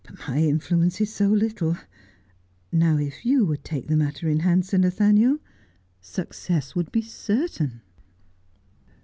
But my influence is so little. Now if you would take the matter in hand, Sir Nathaniel, success would be certain.'